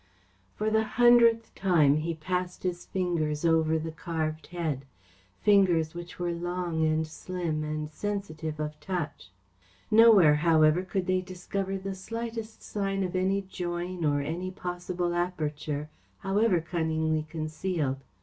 For the hundredth time he passed his fingers over the carved head; fingers which were long and slim and sensitive of touch. Nowhere, however, could they discover the slightest sign of any join or any possible aperture, however cunningly concealed.